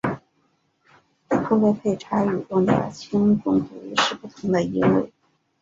普雷佩查语中的轻重读是不同的音位。